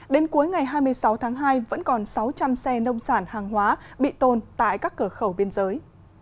đến cuối ngày hai mươi sáu tháng hai vẫn còn sáu trăm linh xe nông sản hàng hóa bị tồn tại các cửa khẩu biên giới